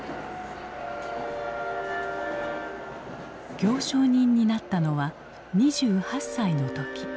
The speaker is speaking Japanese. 行商人になったのは２８歳の時。